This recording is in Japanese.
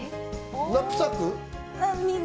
ナップサック？